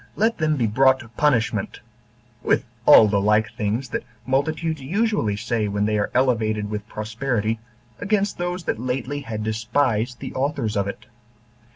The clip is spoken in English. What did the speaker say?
let them be brought to punishment, with all the like things that multitudes usually say when they are elevated with prosperity, against those that lately had despised the authors of it.